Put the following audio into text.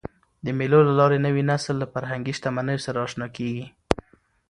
د مېلو له لاري نوی نسل له فرهنګي شتمنیو سره اشنا کېږي.